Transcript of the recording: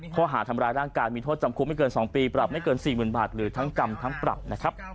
เพราะหาทำรายร่างการมีโทษจำคุมไม่เกินสองปีปรับไม่เกินสี่หมื่นบาทหรือทั้งกรรมทั้งปรับนะครับ